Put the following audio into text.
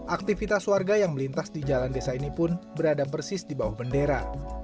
aktivitas warga yang melintas di jalan desa ini pun berada persis di bawah bendera